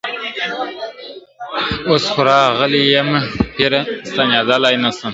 اوس خو راغلی یمه پیره ستنېدلای نه سم ..